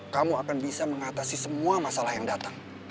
kamu akan bisa mengatasi semua masalah yang datang